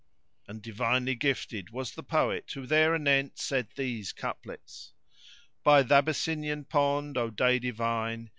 And divinely gifted was the poet who there anent said these couplets:— By th' Abyssinian Pond, O day divine!